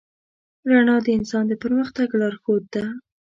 رڼا د انسان د پرمختګ لارښود ده.